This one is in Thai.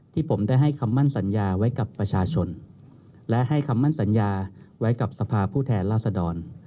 ที่ผมได้ให้คำมั่นสัญญาไว้กับประชาชนและให้คำมั่นสัญญาไว้กับสภาพผู้แทนราษดร